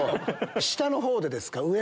下のほうでですか？